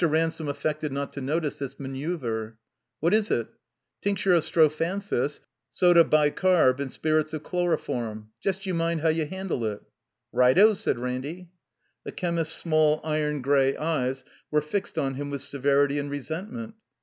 Ransome affected not to notice this manceuver.) ''What is itr "Tincture of strophanthus, sodae bicarb., and spirits of chloroform. Just you mind how you handle it." "Right 0!" said Ranny. The chemist's small, iron gray eyes were fixed on him with severity and resentment.